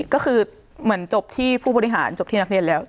ก็คือเหมือนจบที่ผู้บริหารจบที่นักเรียนแล้ว